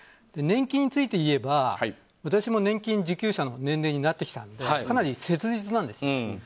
年金についていえば私も年金受給者の年齢になってきたのでかなり切実なんですね。